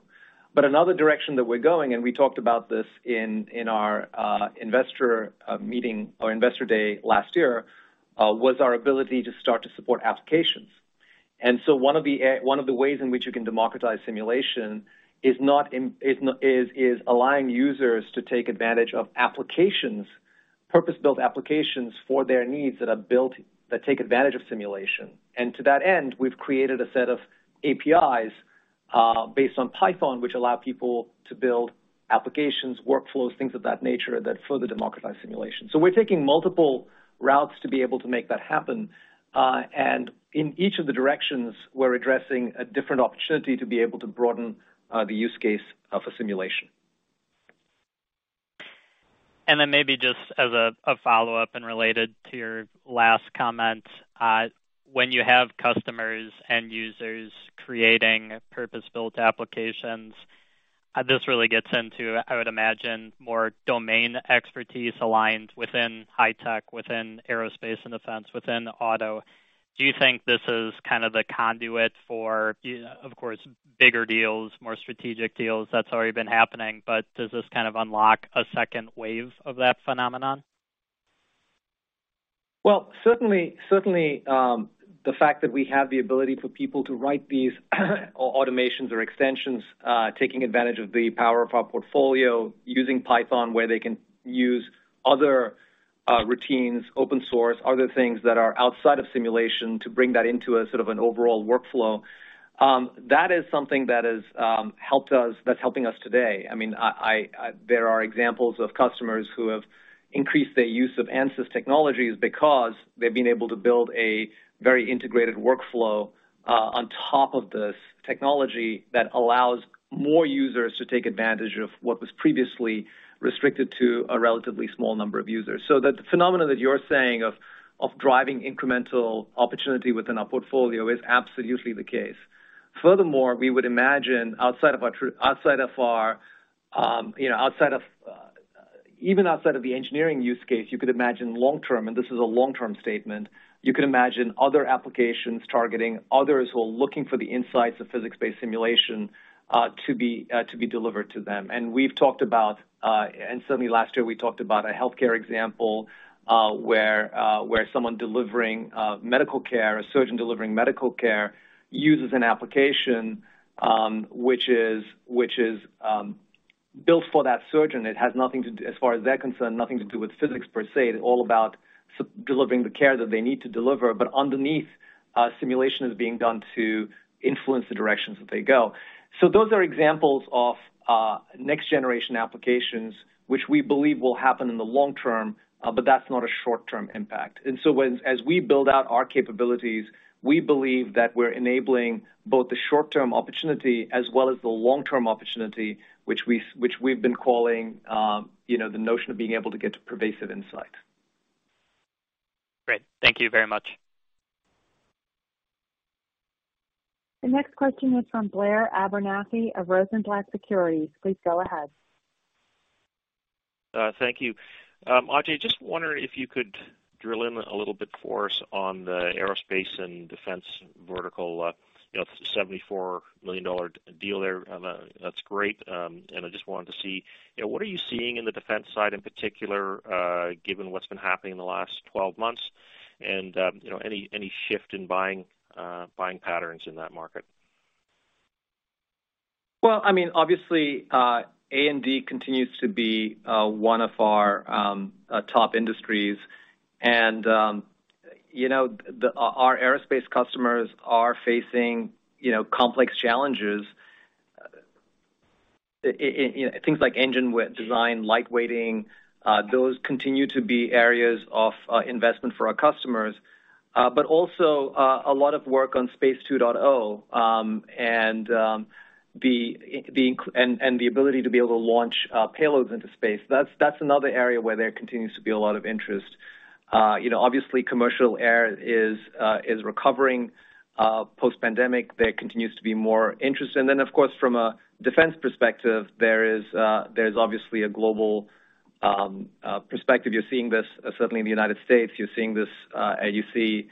Another direction that we're going, and we talked about this in our investor meeting or investor day last year, was our ability to start to support applications. One of the ways in which you can democratize simulation is allowing users to take advantage of applications. Purpose-built applications for their needs that are built, that take advantage of simulation. To that end, we've created a set of APIs, based on Python, which allow people to build applications, workflows, things of that nature that further democratize simulation. We're taking multiple routes to be able to make that happen. And in each of the directions, we're addressing a different opportunity to be able to broaden the use case of a simulation.
Maybe just as a follow-up and related to your last comment, when you have customers and users creating purpose-built applications, this really gets into, I would imagine, more domain expertise aligned within high-tech, within aerospace and defense, within auto. Do you think this is kind of the conduit for, of course, bigger deals, more strategic deals? That's already been happening, does this kind of unlock a second wave of that phenomenon?
Well, certainly, the fact that we have the ability for people to write these automations or extensions, taking advantage of the power of our portfolio, using Python, where they can use other routines, open source, other things that are outside of simulation to bring that into a sort of an overall workflow, that is something that has helped us, that's helping us today. I mean, there are examples of customers who have increased their use of ANSYS technologies because they've been able to build a very integrated workflow on top of this technology that allows more users to take advantage of what was previously restricted to a relatively small number of users. The phenomenon that you're saying of driving incremental opportunity within our portfolio is absolutely the case. Furthermore, we would imagine outside of our, you know, even outside of the engineering use case, you could imagine long-term, and this is a long-term statement, you could imagine other applications targeting others who are looking for the insights of physics-based simulation to be delivered to them. And we've talked about, and certainly last year, we talked about a healthcare example, where someone delivering medical care, a surgeon delivering medical care uses an application, which is, which is built for that surgeon. It has nothing to do, as far as they're concerned, nothing to do with physics per se. They're all about delivering the care that they need to deliver. But underneath, simulation is being done to influence the directions that they go. Those are examples of next-generation applications, which we believe will happen in the long term, but that's not a short-term impact. As we build out our capabilities, we believe that we're enabling both the short-term opportunity as well as the long-term opportunity, which we've been calling, you know, the notion of being able to get to pervasive insight.
Great. Thank you very much.
The next question is from Blair Abernethy of Rosenblatt Securities. Please go ahead.
Thank you. Ajei, just wondering if you could drill in a little bit for us on the aerospace and defense vertical, you know, $74 million deal there. That's great. I just wanted to see, you know, what are you seeing in the defense side in particular, given what's been happening in the last 12 months? You know, any shift in buying patterns in that market?
Well, I mean, obviously, A&D continues to be one of our top industries. You know, our aerospace customers are facing, you know, complex challenges. You know, things like engine design, light weighting, those continue to be areas of investment for our customers, but also a lot of work on Space 2.0 and the ability to be able to launch payloads into space. That's another area where there continues to be a lot of interest. You know, obviously commercial air is recovering post-pandemic. There continues to be more interest. Of course, from a defense perspective, there's obviously a global perspective. You're seeing this certainly in the United States. You're seeing this, you see,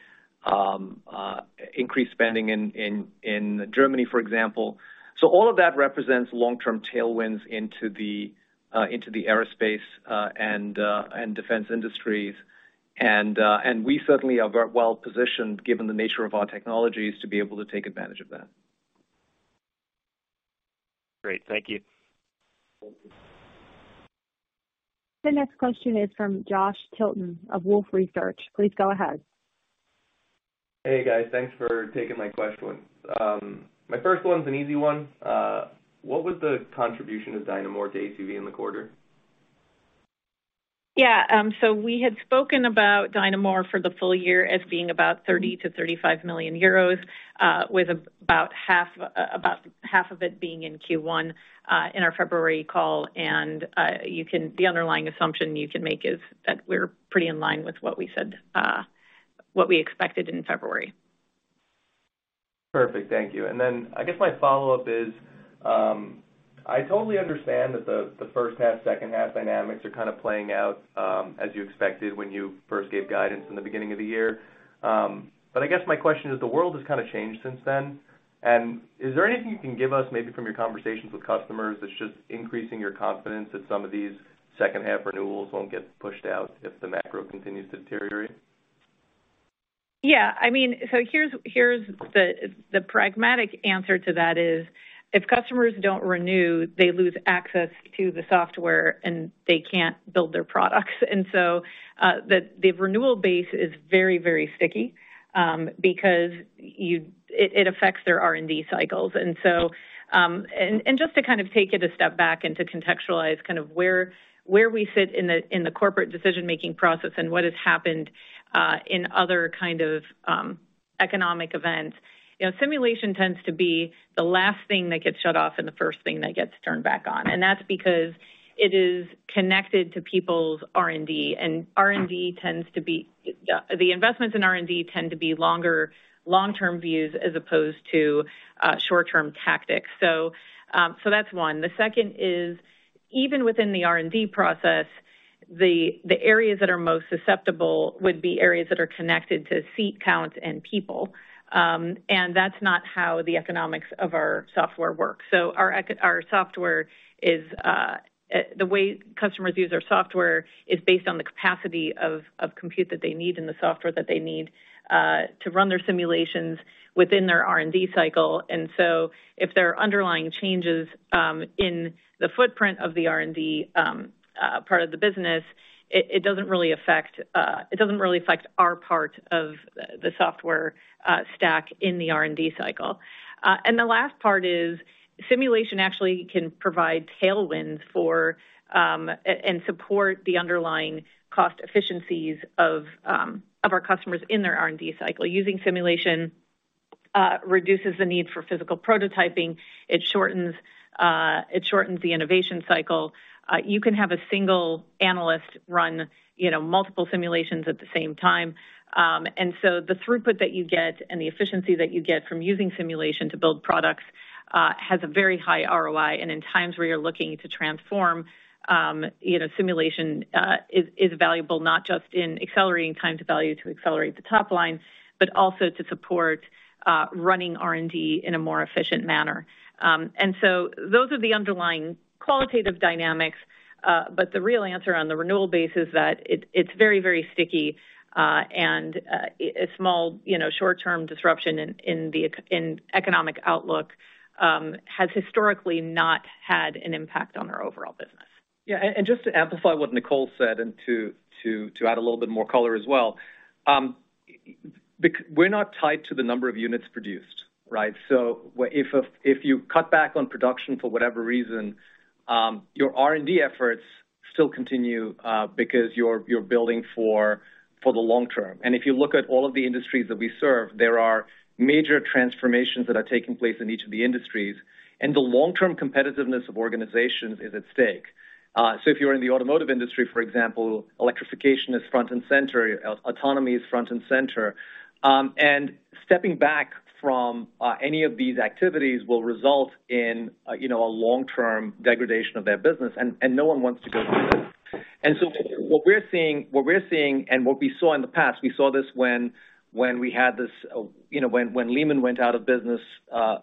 increased spending in Germany, for example. All of that represents long-term tailwinds into the aerospace and defense industries. And we certainly are very well-positioned, given the nature of our technologies, to be able to take advantage of that.
Great. Thank you.
Thank you.
The next question is from Josh Tilton of Wolfe Research. Please go ahead.
Hey, guys. Thanks for taking my questions. My first one's an easy one. What was the contribution of DYNAmore to ACV in the quarter?
We had spoken about DYNAmore for the full year as being about 30 million-35 million euros, with about half, about half of it being in Q1 in our February call. The underlying assumption you can make is that we're pretty in line with what we said, what we expected in February.
Perfect. Thank you. Then I guess my follow-up is, I totally understand that the first half, second half dynamics are kind of playing out, as you expected when you first gave guidance in the beginning of the year. But I guess my question is, the world has kind of changed since then. Is there anything you can give us maybe from your conversations with customers that's just increasing your confidence that some of these second half renewals won't get pushed out if the macro continues to deteriorate?
Yeah, I mean, here's the pragmatic answer to that is if customers don't renew, they lose access to the software and they can't build their products. The renewal base is very, very sticky, because it affects their R&D cycles. Just to kind of take it a step back and to contextualize kind of where we sit in the corporate decision-making process and what has happened, in other kind of, economic events. You know, simulation tends to be the last thing that gets shut off and the first thing that gets turned back on. That's because it is connected to people's R&D. The investments in R&D tend to be longer long-term views as opposed to, short-term tactics. That's one. The second is even within the R&D process, the areas that are most susceptible would be areas that are connected to seat counts and people. That's not how the economics of our software work. Our software is. The way customers use our software is based on the capacity of compute that they need and the software that they need to run their simulations within their R&D cycle. If there are underlying changes in the footprint of the R&D part of the business, it doesn't really affect our part of the software stack in the R&D cycle. The last part is simulation actually can provide tailwinds for and support the underlying cost efficiencies of our customers in their R&D cycle. Using simulation reduces the need for physical prototyping. It shortens the innovation cycle. You can have a single analyst run, you know, multiple simulations at the same time. The throughput that you get and the efficiency that you get from using simulation to build products has a very high ROI. In times where you're looking to transform, you know, simulation is valuable, not just in accelerating time to value to accelerate the top line, but also to support running R&D in a more efficient manner. Those are the underlying qualitative dynamics. The real answer on the renewal base is that it's very, very sticky, and a small, you know, short-term disruption in the economic outlook has historically not had an impact on our overall business.
Just to amplify what Nicole said and to add a little bit more color as well. We're not tied to the number of units produced, right? If you cut back on production for whatever reason, your R&D efforts still continue because you're building for the long term. If you look at all of the industries that we serve, there are major transformations that are taking place in each of the industries, and the long-term competitiveness of organizations is at stake. If you're in the automotive industry, for example, electrification is front and center, autonomy is front and center. Stepping back from any of these activities will result in, you know, a long-term degradation of their business, and no one wants to go through it. What we're seeing and what we saw in the past, we saw this when we had this, you know, when Lehman went out of business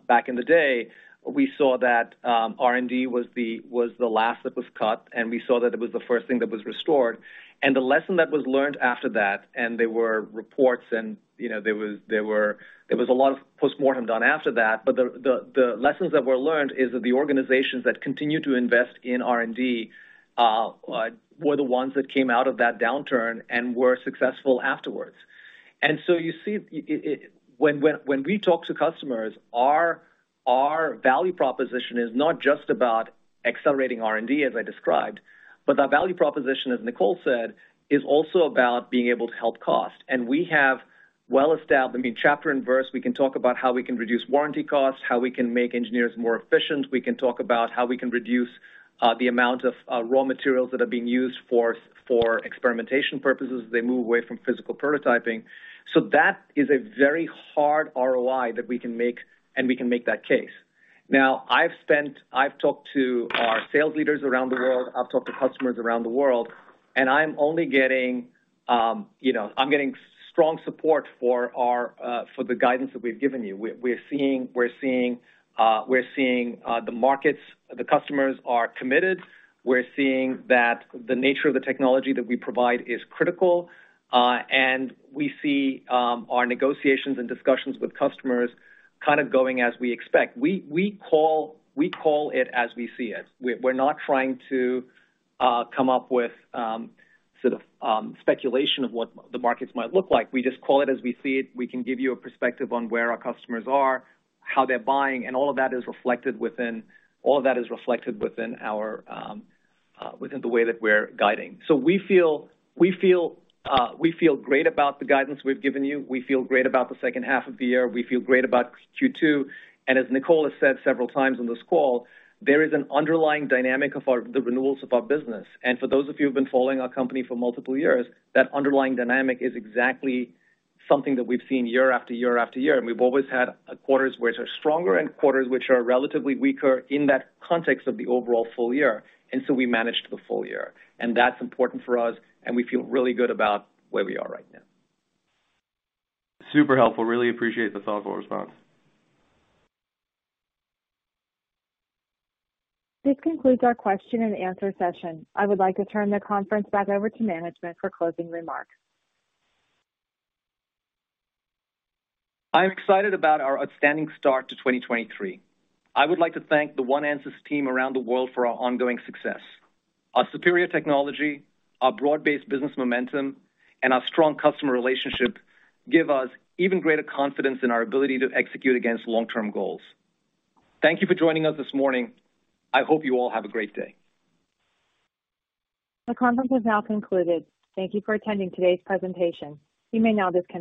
back in the day. We saw that R&D was the last that was cut, and we saw that it was the first thing that was restored. The lesson that was learned after that, and there were reports and, you know, there was a lot of postmortem done after that. The lessons that were learned is that the organizations that continued to invest in R&D were the ones that came out of that downturn and were successful afterwards. You see, when we talk to customers, our value proposition is not just about accelerating R&D as I described, but our value proposition, as Nicole said, is also about being able to help cost. We have well established I mean, chapter and verse, we can talk about how we can reduce warranty costs, how we can make engineers more efficient. We can talk about how we can reduce the amount of raw materials that are being used for experimentation purposes as they move away from physical prototyping. That is a very hard ROI that we can make, and we can make that case. I've talked to our sales leaders around the world, I've talked to customers around the world, you know, I'm getting strong support for our for the guidance that we've given you. We're seeing the markets, the customers are committed. We're seeing that the nature of the technology that we provide is critical. We see our negotiations and discussions with customers kind of going as we expect. We call it as we see it. We're not trying to come up with sort of speculation of what the markets might look like. We just call it as we see it. We can give you a perspective on where our customers are, how they're buying, and all of that is reflected within our, within the way that we're guiding. We feel great about the guidance we've given you. We feel great about the second half of the year. We feel great about Q2. As Nicole has said several times on this call, there is an underlying dynamic of the renewals of our business. For those of you who've been following our company for multiple years, that underlying dynamic is exactly something that we've seen year after year after year. We've always had quarters which are stronger and quarters which are relatively weaker in that context of the overall full year. We managed the full year, and that's important for us, and we feel really good about where we are right now.
Super helpful. Really appreciate the thoughtful response.
This concludes our question and answer session. I would like to turn the conference back over to management for closing remarks.
I'm excited about our outstanding start to 2023. I would like to thank the One ANSYS team around the world for our ongoing success. Our superior technology, our broad-based business momentum, and our strong customer relationship give us even greater confidence in our ability to execute against long-term goals. Thank you for joining us this morning. I hope you all have a great day.
The conference has now concluded. Thank you for attending today's presentation. You may now disconnect.